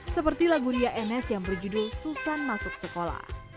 seperti lagu lia ns yang berjudul susan masuk sekolah